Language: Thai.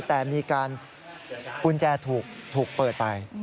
แต่มีการกุญแจถูกเปิดไป